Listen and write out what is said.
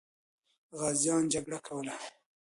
غازیان جګړه کوله.